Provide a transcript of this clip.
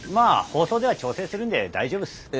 あ放送では調整するんで大丈夫っす。